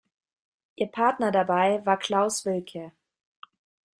Ihr Partner dabei war Claus Wilcke.